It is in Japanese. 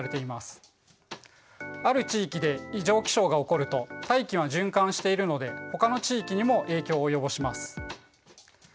ある地域で異常気象が起こると大気は循環しているのでほかの地域にも影響を及ぼします。